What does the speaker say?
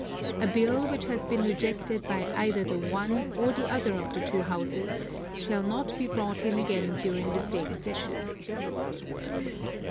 A Bill, which has been rejected by either the one or the other of the two Houses, shall not be brought in again during the same session.